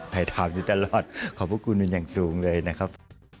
ถ่ายถามอยู่ตลอดขอบคุณวิญญาณสูงเลยนะครับ